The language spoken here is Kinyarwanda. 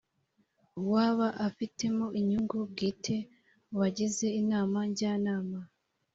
uwaba abifitemo inyungu bwite mu bagize inama njyanama